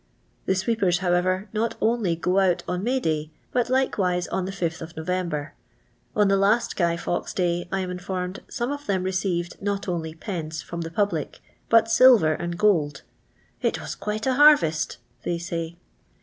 The sweepers, however, not only go out on May day, but likewise on the 5th of November. On the last Gny Fawkes day, I am informed, some of them received not only pence from the public, but silver and gold. "It was quite a harvest," they say.